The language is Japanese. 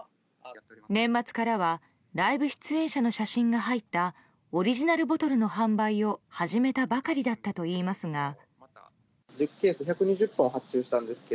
年末からはライブ出演者の写真が入ったオリジナルボトルの販売を始めたばかりだったといいますが。